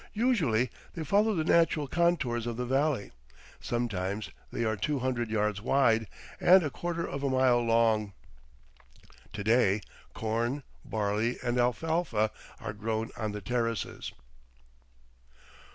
Usually they follow the natural contours of the valley. Sometimes they are two hundred yards wide and a quarter of a mile long. To day corn, barley, and alfalfa are grown on the terraces.